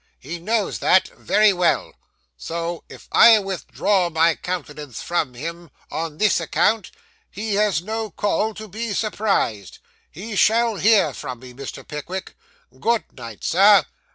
He knows that very well, so if I withdraw my countenance from him on this account, he has no call to be surprised. He shall hear from me, Mr. Pickwick. Good night, sir.